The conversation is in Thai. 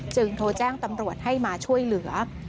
โทรแจ้งตำรวจให้มาช่วยเหลือ